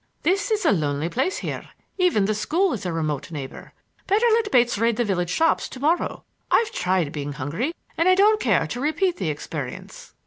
This is a lonely place here; even the school is a remote neighbor. Better let Bates raid the village shops to morrow. I've tried being hungry, and I don't care to repeat the experience."